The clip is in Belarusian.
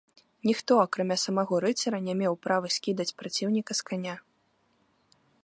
Ніхто, акрамя самаго рыцара не меў права скідаць праціўніка з каня.